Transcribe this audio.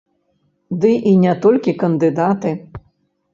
Ды і не толькі кандыдаты.